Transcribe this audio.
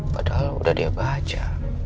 padahal udah dia baca